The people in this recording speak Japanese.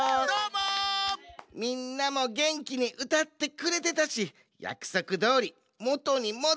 みんなもげんきにうたってくれてたしやくそくどおりもとにもどしたる！